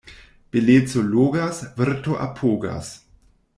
Beleco logas, virto apogas.